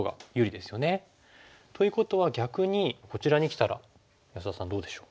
ということは逆にこちらにきたら安田さんどうでしょう？